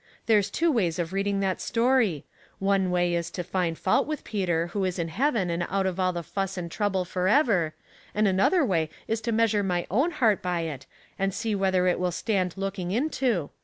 "There's two ways of reading that story ; one way is to find fault with Peter who is in heaven and out of all the fuss and trouble forever, and another way is to measure my own heart by it and see whether it will stand looking into.